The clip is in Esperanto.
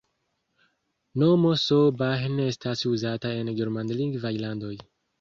Nomo S-Bahn estas uzata en germanlingvaj landoj.